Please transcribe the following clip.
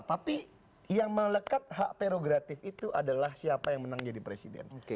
tapi yang melekat hak prerogatif itu adalah siapa yang menang jadi presiden